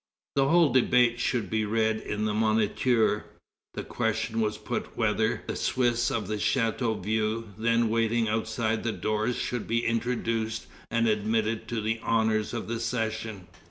The whole debate should be read in the Moniteur. The question was put whether the Swiss of Chateauvieux, then waiting outside the doors, should be introduced and admitted to the honors of the session.